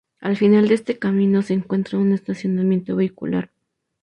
Al final de este camino se encuentra un estacionamiento vehicular.